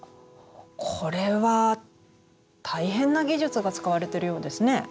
これは大変な技術が使われてるようですね。